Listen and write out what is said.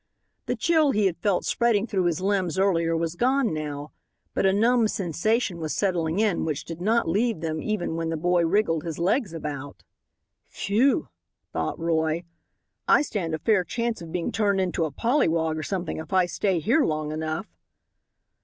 The chill he had felt spreading through his limbs earlier was gone now, but a numb sensation was setting in which did not leave them even when the boy wriggled his legs about. "Phew!" thought Roy. "I stand a fair chance of being turned into a pollywog or something if I stay here long enough."